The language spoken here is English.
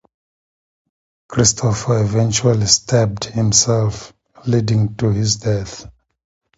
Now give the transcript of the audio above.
Christopher eventually stabbed himself, leading to his death.